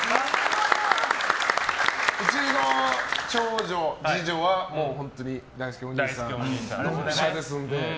うちの長女、次女は本当にだいすけおにいさんドンピシャですので。